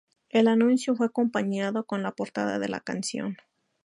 El anuncio fue acompañado con la portada de la canción.